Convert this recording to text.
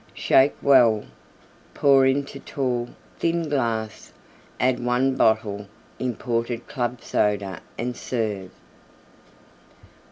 Shake well; pour into tall, thin glass; add one bottle Imported Club Soda and serve.